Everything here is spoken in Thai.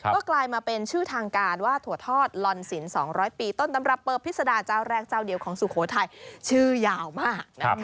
ก็กลายมาเป็นชื่อทางการว่าถั่วทอดลอนสิน๒๐๐ปีต้นตำรับเปอร์พิษดาเจ้าแรกเจ้าเดียวของสุโขทัยชื่อยาวมาก